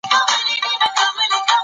دولت باید په ټولنه کې نظم رامنځته کړي.